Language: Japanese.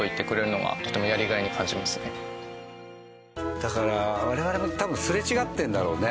だから我々も多分すれ違ってるんだろうね。